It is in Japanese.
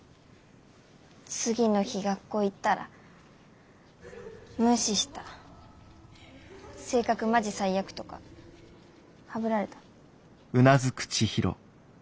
次の日学校行ったら「無視した」「性格マジ最悪」とかはぶられた？